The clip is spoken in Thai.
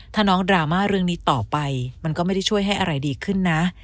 ถ้าน้องดราม่าเรื่องนี้ต่อไปมันก็ไม่ได้ช่วยให้อะไรดีขึ้นนะ